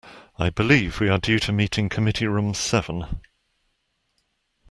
I believe we are due to meet in committee room seven.